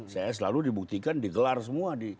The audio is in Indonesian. saya selalu dibuktikan digelar semua